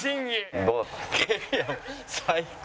最高。